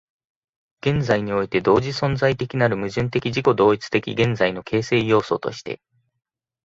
現在において同時存在的なる矛盾的自己同一的現在の形成要素として、